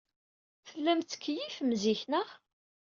Tellam tettkeyyifem zik, naɣ?